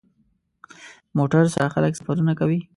موټر سره خلک سفرونه کوي.